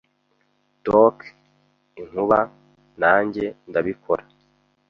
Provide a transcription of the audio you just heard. Dock, inkuba! Nanjye ndabikora. ”